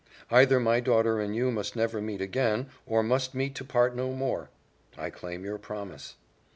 "'either my daughter and you must never meet again, or must meet to part no more' I claim your promise."